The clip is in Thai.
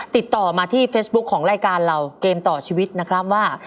ติดต่อมาที่เฟซบุ๊คของรายการเราเกมต่อชีวิตนะครับว่า